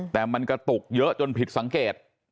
แต่มันกระตุกเยอะจนผิดสังเกต